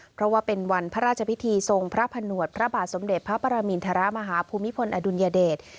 เพราะว่าเป็นวันพระราชพิธีทรงพระผนวดพระบาทสมเด็จพระปรมินทรมาฮาภูมิพลอดุลยเดช